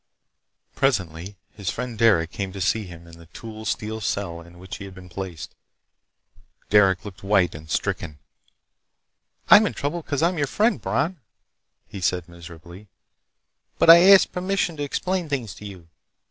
Presently his friend Derec came to see him in the tool steel cell in which he had been placed. Derec looked white and stricken. "I'm in trouble because I'm your friend, Bron," he said miserably, "but I asked permission to explain things to you.